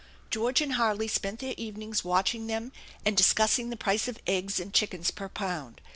George and Harley spent their evenings watching them and discussing the price of eggs and chickens per pound.